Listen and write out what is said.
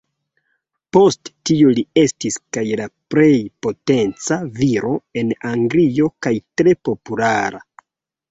Post tio li estis kaj la plej potenca viro en Anglio kaj tre populara.